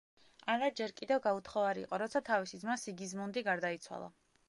ანა ჯერ კიდევ გაუთხოვარი იყო, როცა თავისი ძმა სიგიზმუნდი გარდაიცვალა.